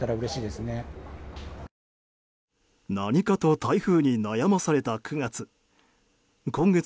何かと台風に悩まされた９月。